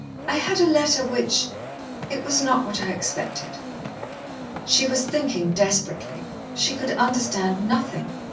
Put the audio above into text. "I had a letter which It was not what I expected." She was thinking desperately. She could understand nothing.